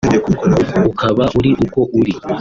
ukaba uri uko uri